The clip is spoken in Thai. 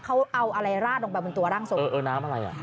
เขาเอาอะไรราดลงไปบนตัวร่างทรงเออเออน้ำอะไรอ่ะ